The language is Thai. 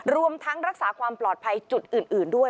รวมทั้งรักษาความปลอดภัยจุดอื่นด้วย